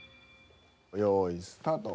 用意スタート。